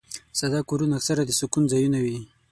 ساده کورونه اکثره د سکون ځایونه وي.